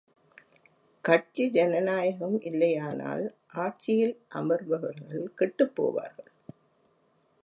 கட்சி ஜனநாயகம் இல்லையானால் ஆட்சியில் அமர்பவர்கள் கெட்டுப் போவார்கள்.